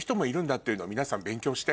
っていうの皆さん勉強して。